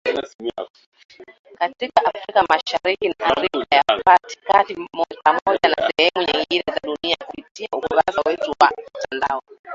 Katika Afrika Mashariki na Afrika ya kati Pamoja na sehemu nyingine za dunia kupitia ukurasa wetu wa mtandao